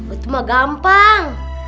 itu mah gampang